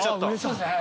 そうですね。